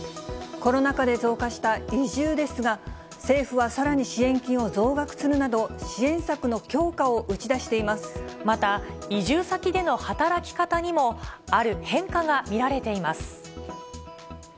コロナ禍で増加した移住ですが、政府はさらに支援金を増額するなど、支援策の強化を打ち出していまた、移住先での働き方にも、ある変化が見られています。